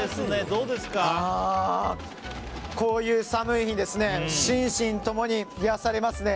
こういう寒い日に心身ともに癒やされますね。